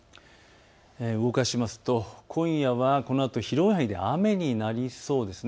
動かすと、今夜はこのあと広い範囲で雨になりそうです。